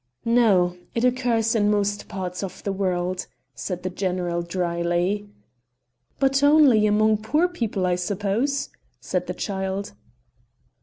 "No, it occurs in most parts of the world," said the general drily. "But only among poor people, I suppose?" said the child.